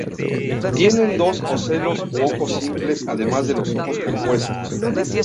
Tienen dos ocelos u ojos simples además de los ojos compuestos.